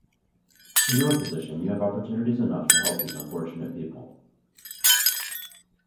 In your position you have opportunities enough to help these unfortunate people.